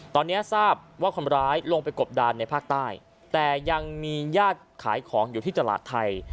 ตอนนี้ทราบว่าคนร้ายลงไปกบดานในภาคใต้แต่ยังมีญาติขายของอยู่ที่ตลาดไทย